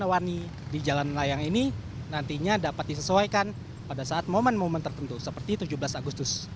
warni di jalan layang ini nantinya dapat disesuaikan pada saat momen momen tertentu seperti tujuh belas agustus